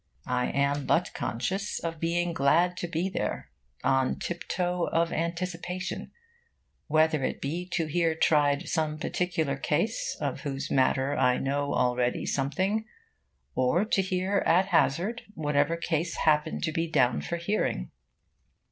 I am but conscious of being glad to be there, on tiptoe of anticipation, whether it be to hear tried some particular case of whose matter I know already something, or to hear at hazard whatever case happen to be down for hearing.